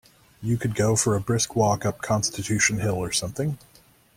You could go for a brisk walk up Constitution Hill or something.